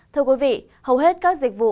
thưa quý vị hầu hết các dịch vụ